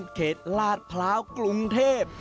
บนถนนเกษตรนวมินเขตลาดพลาวกรุงเทพฯ